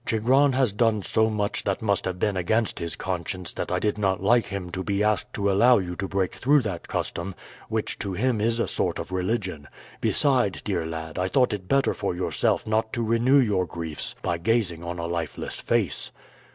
Chigron has done so much that must have been against his conscience that I did not like him to be asked to allow you to break through that custom, which to him is a sort of religion; beside, dear lad, I thought it better for yourself not to renew your griefs by gazing on a lifeless face.